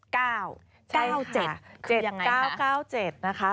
๙๗คือยังไงคะ๗๙๙๗นะคะ